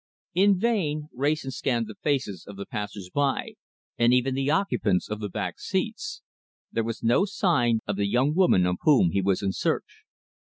In vain Wrayson scanned the faces of the passers by, and even the occupants of the back seats. There was no sign of the young woman of whom he was in search.